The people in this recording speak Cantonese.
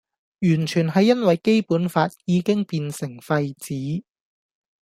完全係因為基本法已經變成廢紙